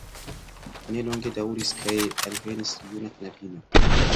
Ne longe daŭris kaj alvenis juna knabino.